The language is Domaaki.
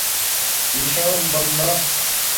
بِشرم بندا